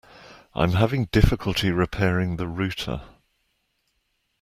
I'm having difficulty repairing the router.